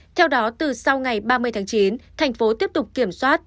theo đó từ sau ngày ba mươi tháng chín tp hcm tiếp tục kiểm soát